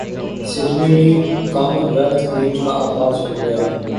Sydney ویں Commonwealth Games کا اغاز ہو گیا